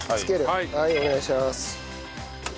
はいお願いします。